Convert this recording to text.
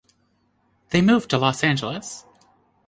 They moved to Los Angeles.